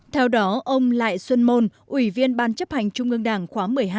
theo đó ông lại xuân môn ủy viên ban chấp hành trung ương đảng khóa một mươi hai